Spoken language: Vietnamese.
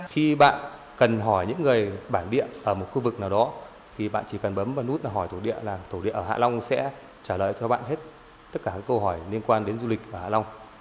khi bạn cần hỏi những người bản địa ở một khu vực nào đó thì bạn chỉ cần bấm vào nút hỏi tổ địa là tổ địa ở hạ long sẽ trả lời cho bạn hết tất cả các câu hỏi liên quan đến du lịch ở hạ long